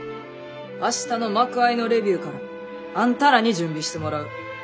明日の幕あいのレビューからあんたらに準備してもらう。